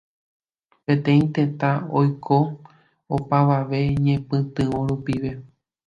Peteĩ tetã oiko opavave ñepytyvõ rupive.